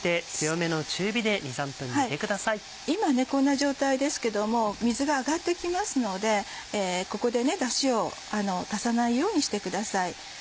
今こんな状態ですけども水が上がってきますのでここでダシを足さないようにしてください。